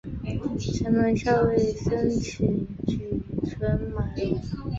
城门校尉岑起举荐马融。